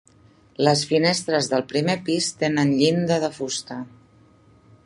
Les finestres del primer pis tenen llinda de fusta.